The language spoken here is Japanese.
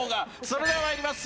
それではまいります。